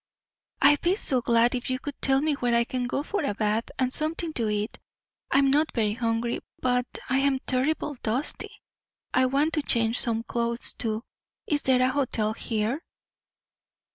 "I'd be so glad if you could tell me where I can go for a bath and something to eat. I'm not very hungry but I'm terribly dusty. I want to change some clothes, too. Is there a hotel here?"